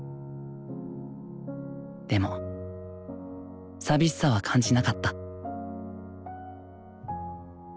でも寂しさは感じなかった。